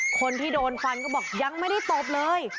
คนที่โดนฟันก็บอกยังไม่ได้ตบเลย